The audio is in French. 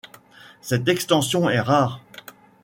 Cette extension est rare.